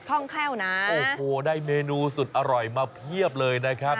ท่องแคล่วนะโอ้โหได้เมนูสุดอร่อยมาเพียบเลยนะครับ